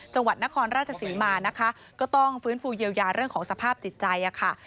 จังหวัดนครราชศรีมานะคะก็ต้องฟื้นฟูเยียวยาเรื่องของสภาพจิตใจค่ะ